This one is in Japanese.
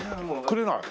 くれない？